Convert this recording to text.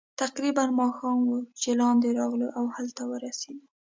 تقریباً ماښام وو چې لاندې راغلو، او هلته ورسېدو.